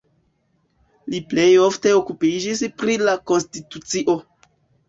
Li plej ofte okupiĝis pri la konstitucio.